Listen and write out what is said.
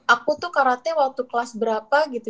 aku tuh karate waktu kelas berapa gitu